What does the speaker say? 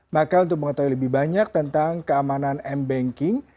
maka untuk mengetahui lebih banyak tentang keamanan m banking